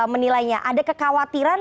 menilainya ada kekhawatiran